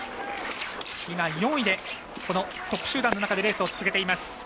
今、４位でトップ集団の中でレースを進めています。